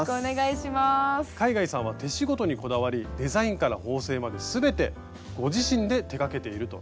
海外さんは手仕事にこだわりデザインから縫製まで全てご自身で手がけていると。